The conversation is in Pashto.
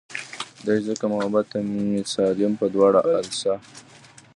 دے ځکه محبت ته مې سالم پۀ دواړه السه